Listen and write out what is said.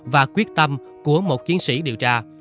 và quyết tâm của một chiến sĩ điều tra